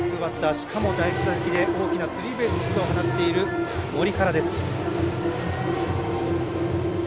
しかも第１打席で大きなスリーベースヒットを放っている森からです。